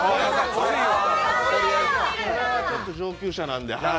これはちょっと上級者なんで。